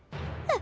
あ。